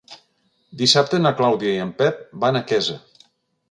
Dissabte na Clàudia i en Pep van a Quesa.